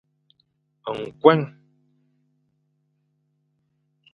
Nkueng.